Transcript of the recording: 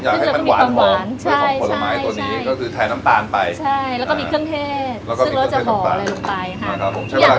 อยากให้มันหวานหวานใช่ใช่ใช่ก็คือแทนน้ำตาลไปใช่แล้วก็มีเครื่องเทศแล้วก็มีเครื่องเทศน้ำตาลซึ่งเราจะห่ออะไรลงไปฮะนะครับผม